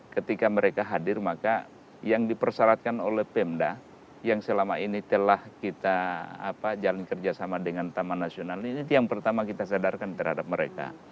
ketika mereka hadir maka yang dipersyaratkan oleh pemda yang selama ini telah kita jalan kerjasama dengan taman nasional ini yang pertama kita sadarkan terhadap mereka